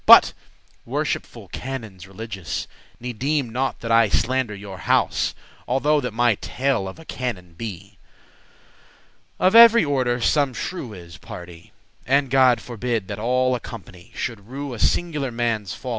But, worshipful canons religious, Ne deeme not that I slander your house, Although that my tale of a canon be. Of every order some shrew is, pardie; And God forbid that all a company Should rue a singular* manne's folly.